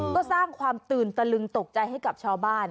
ก็สร้างความตื่นตะลึงตกใจให้กับชาวบ้าน